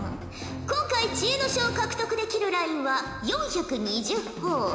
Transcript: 今回知恵の書を獲得できるラインは４２０ほぉ。